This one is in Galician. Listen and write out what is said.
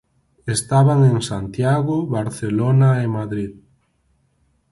Estaban en Santiago, Barcelona e Madrid.